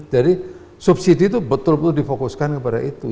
jadi subsidi itu betul betul difokuskan kepada itu